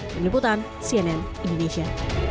peniputan cnn indonesia